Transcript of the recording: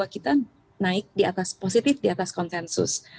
kita naik positif di atas konsensus